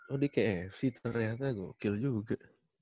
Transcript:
oh dia kayak ev ternyata gokil juga